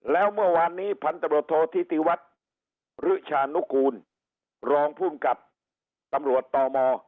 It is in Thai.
แล้วเมื่อวานนี้พันธบทโทษธิติวัฒน์หรือชานุกูลรองภูมิกับตำรวจต่อม